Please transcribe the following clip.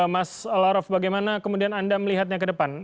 mas laraf bagaimana kemudian anda melihatnya ke depan